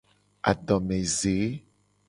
Adomeze.